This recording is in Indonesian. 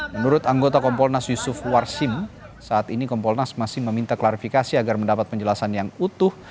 menurut anggota kompolnas yusuf warsim saat ini kompolnas masih meminta klarifikasi agar mendapat penjelasan yang utuh